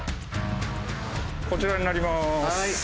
こちらになります。